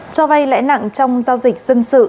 cho vay lẽ nặng trong giao dịch dân sự